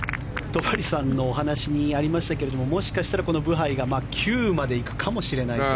戸張さんのお話にありましたがもしかしたらブハイが９までいくかもしれないと。